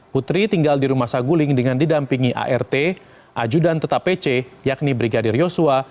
putri tinggal di rumah saguling dengan didampingi art ajudan tetap pc yakni brigadir yosua